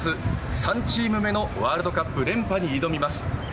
３チーム目のワールドカップ連覇に挑みます。